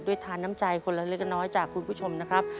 ทานน้ำใจคนละเล็กน้อยจากคุณผู้ชมนะครับ